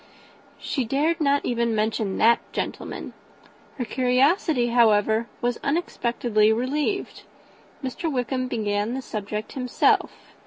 She dared not even mention that gentleman. Her curiosity, however, was unexpectedly relieved. Mr. Wickham began the subject himself.